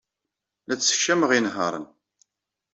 La d-ssekcameɣ inehhaṛen.